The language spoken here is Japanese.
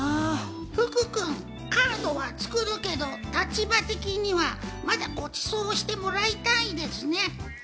福君、カードは作るけど、立場的にはまだごちそうしてもらいたいですね。